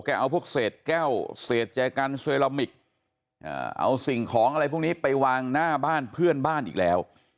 เอาสิ่งของอะไรพวกนี้ไปวางหน้าบ้านเพื่อนบ้านอีกแล้ว